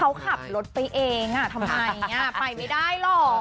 เขาขับรถไปเองทำไมไปไม่ได้หรอก